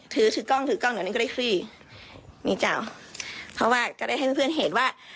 ถือถือกล้องถือกล้องเดี๋ยวนี้ก็ได้คลี่มีเจ้าเพราะว่าก็ได้ให้เพื่อนเห็นว่า